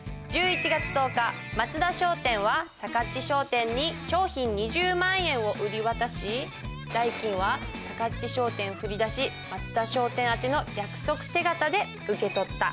１１月１０日松田商店はさかっち商店に商品２０万円を売り渡し代金はさかっち商店振り出し松田商店あての約束手形で受け取った。